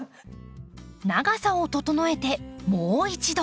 長さを整えてもう一度！